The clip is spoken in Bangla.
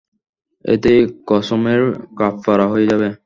এতেই কসমের কাফফারা হয়ে যাবে।